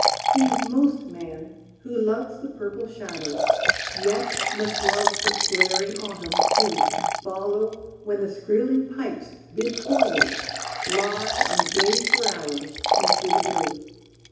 He's most man who loves the purple shadows, Yet must love the flaring autumn too, Follow when the skrieling pipes bid forward, Lie and gaze for hours into the blue.